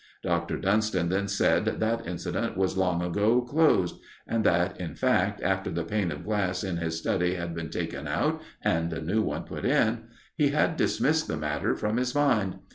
Dr. Dunston then said that incident was long ago closed, and that, in fact, after the pane of glass in his study had been taken out and a new one put in, he had dismissed the matter from his mind.